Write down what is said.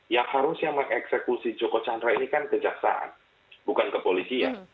yang harusnya mengeksekusi joko chandra ini kan kejaksaan bukan kepolisian